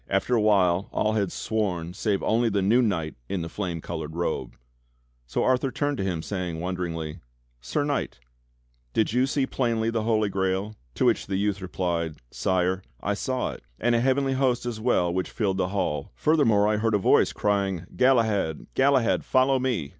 After a while all had sworn save only the new knight in the flame cclored robe. So Arthur turned to him saying wonderingly: "Sir Knight, did you see plainly the Holy Grail.'^" To which the youth replied: "Sire, I saw it, and a heavenly host as well which filled the hall. Furthermore I heard a voice crying: 'Galahad, Galahad, fol low me!